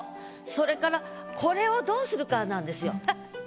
それからこれをどうするかなんですよ。ははっ。